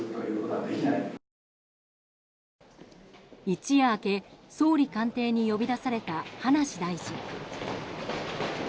一夜明け、総理官邸に呼び出された葉梨大臣。